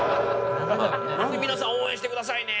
「皆さん応援してくださいね！」。